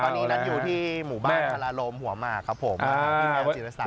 ตอนนี้นัทอยู่ที่หมู่บ้านพระรมหัวหมากครับผมพี่แมวจิตรศัพท์กับน้องแจ๊สเบอร์